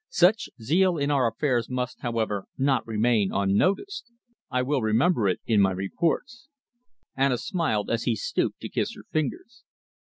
Such zeal in our affairs must, however, not remain unnoticed. I will remember it in my reports." Anna smiled as he stooped to kiss her fingers.